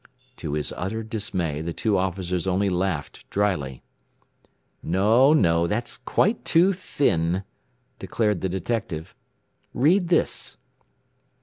To his utter dismay the two officers only laughed drily. "No, no! That's quite too thin," declared the detective. "Read this."